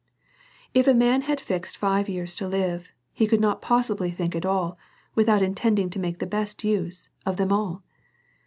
If a man has five fixed years to live, he could not possibly think at all, without intending to make the best use of them all.